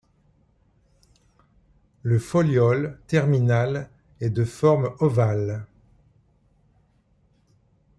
Le foliole terminal est de forme ovale.